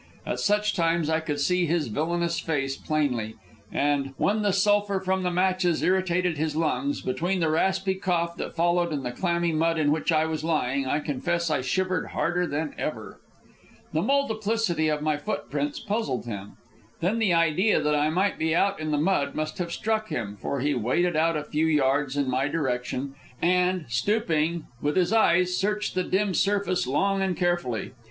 At such times I could see his villanous face plainly, and, when the sulphur from the matches irritated his lungs, between the raspy cough that followed and the clammy mud in which I was lying, I confess I shivered harder than ever. The multiplicity of my footprints puzzled him. Then the idea that I might be out in the mud must have struck him, for he waded out a few yards in my direction, and, stooping, with his eyes searched the dim surface long and carefully.